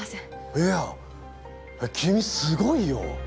いや君すごいよ。